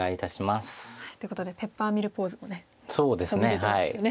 ということでペッパーミルポーズもね飛び出てましたね。